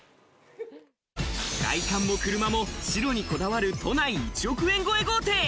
外観も車も白にこだわる都内１億円超え豪邸。